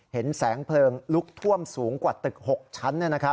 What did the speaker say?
เห็นแสงเพลิงลุกท่วมสูงกว่าตึก๖ชั้น